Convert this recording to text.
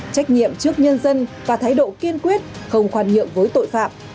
trách nhiệm trước nhân dân và thái độ kiên quyết không khoan nhượng với tội phạm